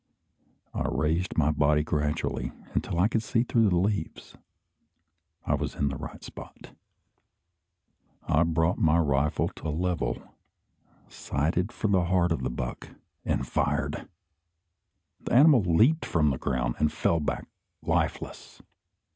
I raised my body gradually until I could see through the leaves. I was in the right spot. I brought my rifle to a level, sighted for the heart of the buck, and fired. The animal leaped from the ground, and fell back lifeless.